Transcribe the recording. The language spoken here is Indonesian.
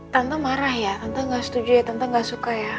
tante marah ya tante gak setuju ya tentang gak suka ya